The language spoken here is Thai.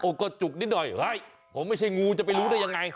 ก็จุกนิดหน่อยเฮ้ยผมไม่ใช่งูจะไปรู้ได้ยังไง